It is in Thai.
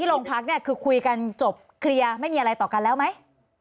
โรงพักเนี่ยคือคุยกันจบเคลียร์ไม่มีอะไรต่อกันแล้วไหม